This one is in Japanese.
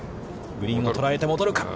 グリーンを捉えて、戻るか。